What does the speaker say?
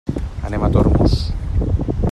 Anem a Tormos.